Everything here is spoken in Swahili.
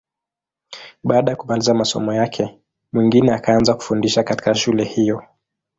Baada ya kumaliza masomo yake, Mwingine akaanza kufundisha katika shule hiyo.